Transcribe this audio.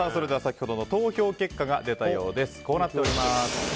では、投票結果が出たようです。